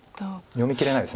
読みきれないです